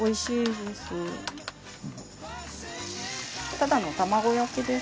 ただの玉子焼きです。